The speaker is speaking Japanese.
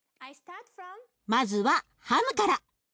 まずはハムから。